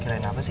kirain apa sih